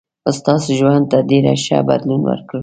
ستاسو ژوند ته ډېر ښه بدلون ورکړ.